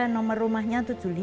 nomor rumahnya tujuh lima